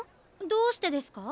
どうしてですか？